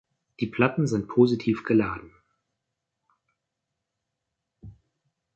Die Platten sind positiv geladen.